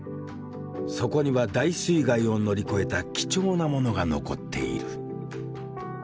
そこには大水害を乗り越えた貴重なモノが残っている。